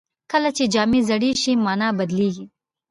کله چې جامې زاړه شي، مانا بدلېږي.